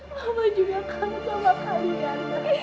mama juga kaget sama kalian